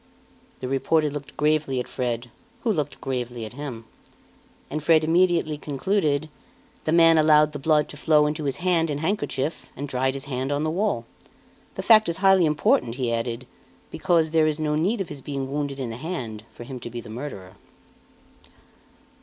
The reporter looked gravely at Fred, who looked gravely at him. And Fred immediately concluded: "The man allowed the blood to flow into his hand and handkerchief, and dried his hand on the wall. The fact is highly important," he added, "because there is no need of his being wounded in the hand for him to be the murderer."